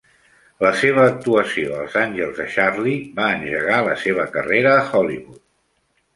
La seva actuació als Angels de Charlie va engegar la seva carrera a Hollywood.